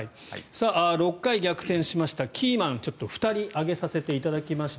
６回、逆転しましたキーマン、２人挙げさせていただきました。